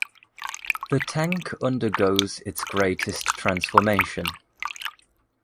The tank undergoes its greatest transformation.